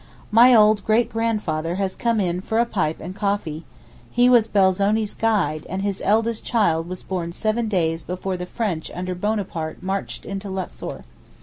My old 'great grandfather' has come in for a pipe and coffee; he was Belzoni's guide, and his eldest child was born seven days before the French under Bonaparte marched into Luxor.